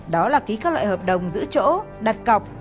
đó là ký các loại hợp đồng giữ chỗ đặt cọc